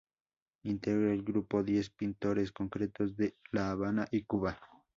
Integra el Grupo Diez Pintores Concretos, La Habana, Cuba.